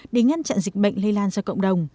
để ngăn chặn dịch bệnh lây lan ra cộng đồng